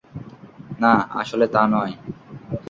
না, আসলে তা নয়।